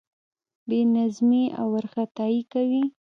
بې نظمي او وارخطايي کوي.